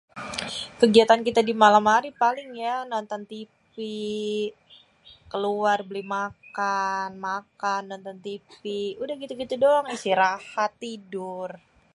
kegiatan kité di malam hari paling ya nonton tv, keluar béli makan-makan dan nonton tv, udéh gitu-gitu doang, istirahat tidur.